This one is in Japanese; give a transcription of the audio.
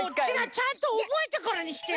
ちゃんとおぼえてからにして！